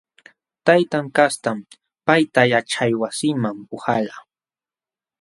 Taytan kastam payta yaćhaywasiman puhalqa.